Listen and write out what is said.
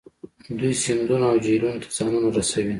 دوی سیندونو او جهیلونو ته ځانونه رسوي